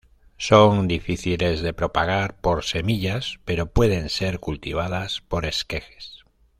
Son difíciles de propagar por semillas pero pueden ser cultivadas por esquejes.